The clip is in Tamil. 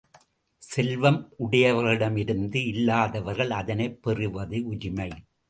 செல்வம் உடையவர்களிடமிருந்து இல்லாதவர்கள் அதனைப் பெறுவது உரிமை.